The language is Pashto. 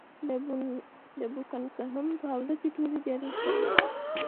د بوکنګهم په حوزه کې ټولې دیارلس رایې.